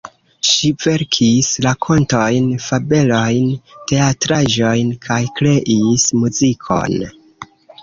Ŝi verkis rakontojn, fabelojn, teatraĵojn kaj kreis muzikon.